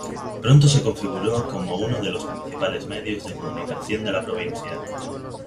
Pronto se configuró como uno de los principales medios de comunicación de la provincia.